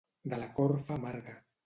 De la corfa amarga.